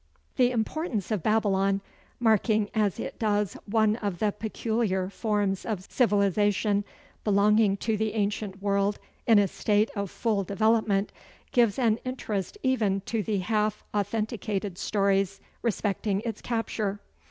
The importance of Babylon, marking as it does one of the peculiar forms of civilization belonging to the ancient world in a state of full development, gives an interest even to the half authenticated stories respecting its capture.